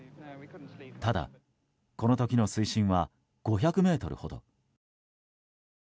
ただ、この時の水深は５００ｍほど。